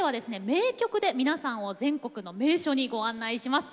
名曲で皆さんを全国の名所にご案内します。